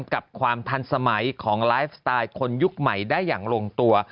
กับความทันสมัยของไลฟ์สไตล์คนยุคใหม่ได้อย่างลงตัว